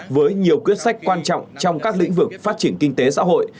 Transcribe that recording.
với nhiều quyết sách quan trọng trong các lĩnh vực phát triển kinh tế xã hội